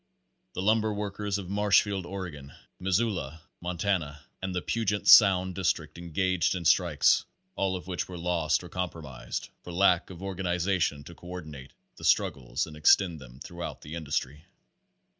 The lumber workers of Marshfield, Oregon, Mis soula, Montana, and the Puget Sound district engaged in strikes, all of which were lost or compromised for lack of organization to co ordinate the struggles and extend them thruout the industry.